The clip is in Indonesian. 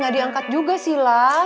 nah diangkat juga sih lah